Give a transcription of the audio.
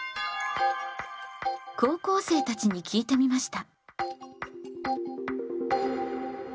高校生たちに聞いてみました。